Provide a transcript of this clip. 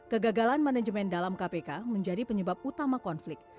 kegagalan manajemen dalam kpk menjadi penyebab utama konflik